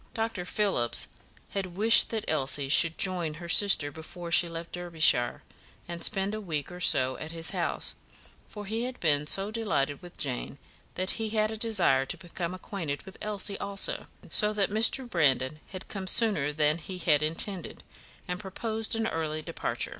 Dr. Phillips had wished that Elsie should join her sister before she left Derbyshire, and spend a week or so at his house, for he had been so delighted with Jane that he had a desire to become acquainted with Elsie also; so that Mr. Brandon had come sooner than he had intended, and proposed an early departure.